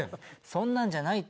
そんなんじゃないって。